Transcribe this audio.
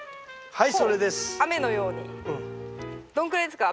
はい。